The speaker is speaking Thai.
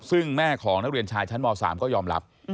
ซึ่งแม่ของนักเรียนชายชั้นม๓ก็ยอมรับ